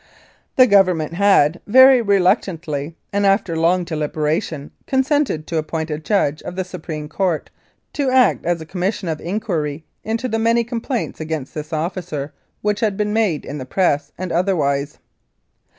The Government had, very reluctantly, and after long deliberation, consented to appoint a judge of the Supreme Court to act as a com mission of inquiry into the many complaints against this officer which had been made in the Press and otherwise.